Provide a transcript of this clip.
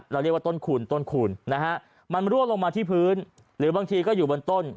เรียกว่าต้นคูณต้นคูณนะฮะมันรั่วลงมาที่พื้นหรือบางทีก็อยู่บนต้น